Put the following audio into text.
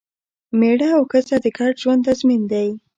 مېړه او ښځه د ګډ ژوند تضمین دی.